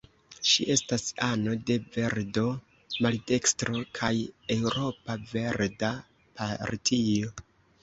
Ŝi estas ano de Verdo-Maldekstro kaj Eŭropa Verda Partio.